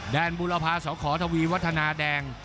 บุรพาสขทวีวัฒนาแดง